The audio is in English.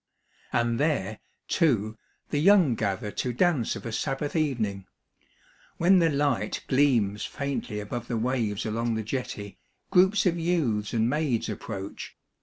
And there, too, the young gather to dance of a Sabbath evening. When the light gleams faintly above the waves along the jetty, groups of youths and maids approach.